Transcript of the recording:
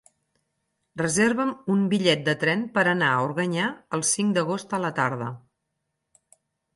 Reserva'm un bitllet de tren per anar a Organyà el cinc d'agost a la tarda.